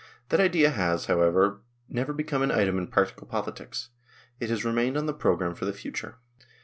That idea has, how ever, never become an. item in practical politics ; it has remained on the programme for the future.